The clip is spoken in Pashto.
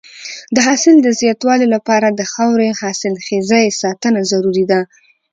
د حاصل د زیاتوالي لپاره د خاورې حاصلخېزۍ ساتنه ضروري ده.